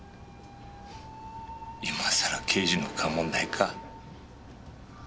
今さら刑事の勘もないか。